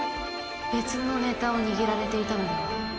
別のネタを握られていたのでは？